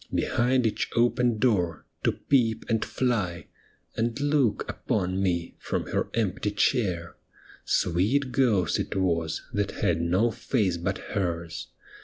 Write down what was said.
Behind each open door to peep and fly. And look upon me from her empty chair; Sweet ghost it was, that had no face but hers.